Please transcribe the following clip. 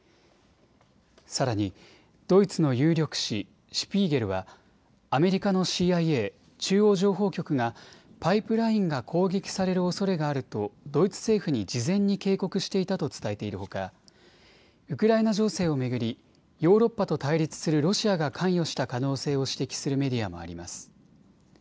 さらにドイツの有力誌、シュピーゲルはアメリカのＣＩＡ・中央情報局がパイプラインが攻撃されるおそれがあるとドイツ政府に事前に警告していたと伝えているほかウクライナ情勢を巡りヨーロッパと対立するロシアが関与した可能性を指摘するメディアもあります。